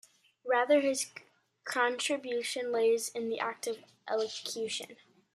Rather, his contribution lays in the act of elocution.